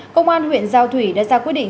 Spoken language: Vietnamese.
công an huyện sao thủy đã ra quyết định